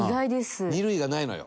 二塁がないのよ。